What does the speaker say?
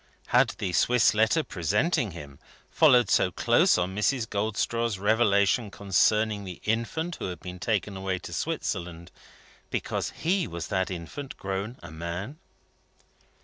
Had the Swiss letter presenting him followed so close on Mrs. Goldstraw's revelation concerning the infant who had been taken away to Switzerland, because he was that infant grown a man?